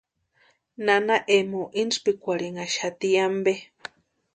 Nana Emoo intspikwarhinhaxati ampe.